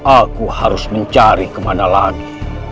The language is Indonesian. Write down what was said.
aku harus mencari kemana lagi